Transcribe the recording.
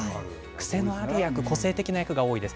癖のある役、個性的な役が多いです。